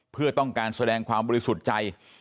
เพื่อต้องการแสดงความบริสุทธิ์ใจ